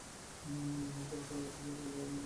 এ পৌরসভার প্রশাসনিক কার্যক্রম মুলাদী থানার আওতাধীন।